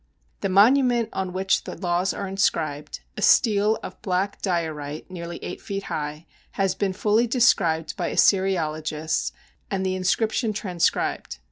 The monument on which the laws are inscribed, a stele of black diorite nearly eight feet high, has been fully described by Assyriologists, and the inscription transcribed.